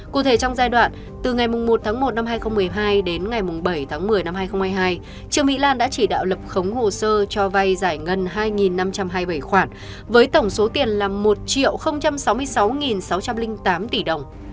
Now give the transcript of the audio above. cụ thể trong giai đoạn từ ngày một tháng một năm hai nghìn một mươi hai đến ngày bảy tháng một mươi năm hai nghìn hai mươi hai trương mỹ lan đã chỉ đạo lập khống hồ sơ cho vay giải ngân hai năm trăm hai mươi bảy khoản với tổng số tiền là một sáu mươi sáu sáu trăm linh tám tỷ đồng